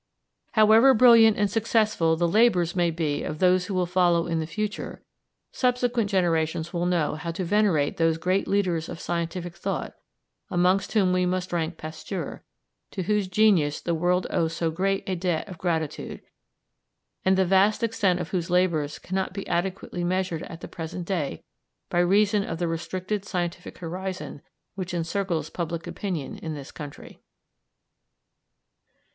However brilliant and successful the labours may be of those who will follow in the future, subsequent generations will know how to venerate those great leaders of scientific thought, amongst whom we must rank Pasteur, to whose genius the world owes so great a debt of gratitude, and the vast extent of whose labours cannot be adequately measured at the present day by reason of the restricted scientific horizon which encircles public opinion in this country.